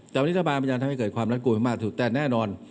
แต่วันนี้ทำมาเป็นอย่างทำให้เกิดความรัฐกลุ่มมากที่สุดแต่แน่นอน